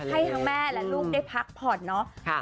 ให้ทั้งแม่และลูกได้พักผ่อนเนาะ